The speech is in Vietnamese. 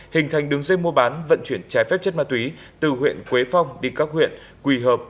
hình thành đường dây mua bán vận chuyển trái phép chất ma túy từ huyện quế phong đi các huyện quỳ hợp